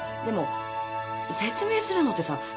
でも説明するのってさ